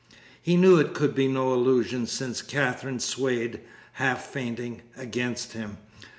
He knew it could be no illusion, since Katherine swayed, half fainting, against him.